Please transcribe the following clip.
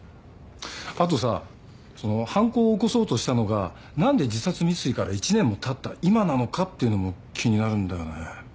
あとさその犯行を起こそうとしたのが何で自殺未遂から１年もたった今なのかっていうのも気になるんだよね。